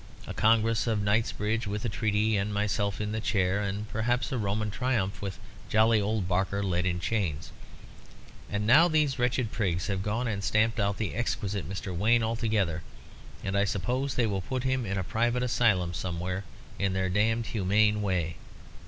A Congress of Knightsbridge with a treaty, and myself in the chair, and perhaps a Roman triumph, with jolly old Barker led in chains. And now these wretched prigs have gone and stamped out the exquisite Mr. Wayne altogether, and I suppose they will put him in a private asylum somewhere in their damned humane way.